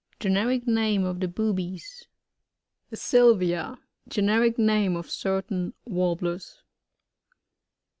Generic name of the Boobies. Sylvia. — Generic name of certain Warblers.